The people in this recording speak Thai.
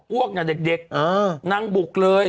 อ้วกอย่างเด็กนั่งบุกเลย